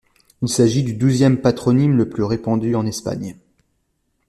Il s'agit du douzième patronyme le plus répandu en Espagne.